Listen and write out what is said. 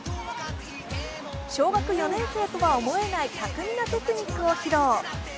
小学４年生とは思えない巧みなテクニックを披露。